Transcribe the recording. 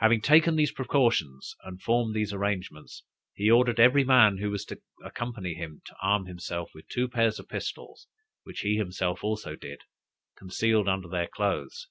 Having taken these precautions and formed these arrangements, he ordered every man who was to accompany him to arm himself with two pair of pistols, which he himself also did, concealed under their clothes.